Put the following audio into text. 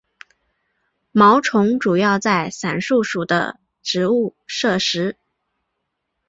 毛虫主要在伞树属的植物摄食。